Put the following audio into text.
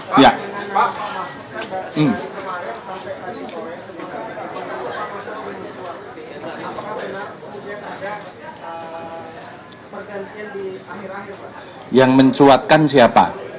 pak yang mencuatkan siapa